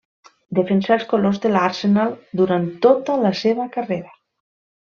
Defensà els colors de l'Arsenal durant tota la seva carrera.